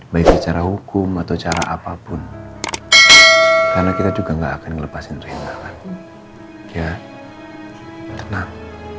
baik secara hukum atau cara apapun karena kita juga gak akan melepaskan kehilangan ya ternak